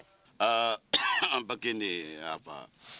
tidak ada raksasa elva